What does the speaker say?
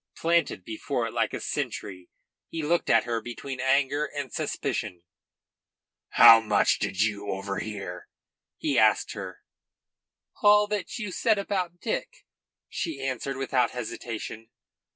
Planted before it like a sentry, he looked at her between anger and suspicion. "How much did you overhear?" he asked her. "All that you said about Dick," she answered without hesitation.